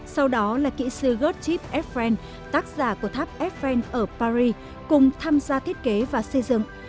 sau đó là kỹ sư gottlieb ephraim tác giả của tháp ephraim ở paris cùng tham gia thiết kế và xây dựng